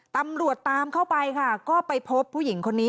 ตำรวจตามเข้าไปค่ะก็ไปพบผู้หญิงคนนี้